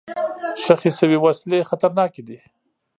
ښخ شوي وسلې خطرناکې دي.